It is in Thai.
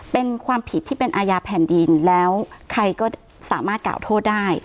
เป็นความผิดที่เป็นอาญาแผ่นดินแล้วใครก็สามารถกล่าวโทษได้